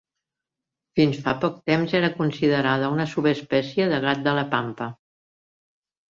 Fins fa poc temps, era considerada una subespècie de gat de la Pampa.